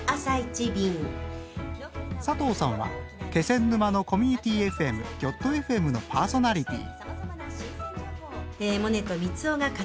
佐藤さんは気仙沼のコミュニティＦＭぎょっとＦＭのパーソナリティー。